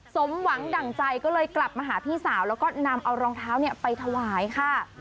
สมหวังดั่งใจก็เลยกลับมาหาพี่สาวแล้วก็นำเอารองเท้าไปถวายค่ะ